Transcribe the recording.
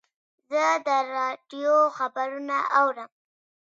زه د راډیو خبرونه اورم.